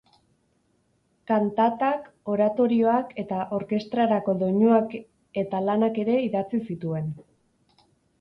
Kantatak, oratorioak eta orkestrarako doinuak eta lanak ere idatzi zituen.